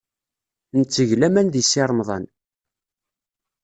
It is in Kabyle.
Netteg laman deg Si Remḍan.